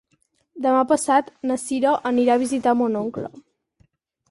Demà passat na Sira anirà a visitar mon oncle.